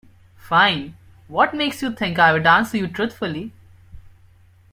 Fine, what makes you think I'd answer you truthfully?